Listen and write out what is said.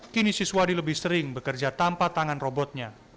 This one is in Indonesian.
kini siswadi lebih sering bekerja tanpa tangan robotnya